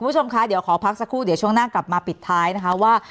คุณผู้ชมคะเดี๋ยวขอพักสักครู่เดี๋ยวช่วงหน้ากลับมาปิดท้ายนะคะว่า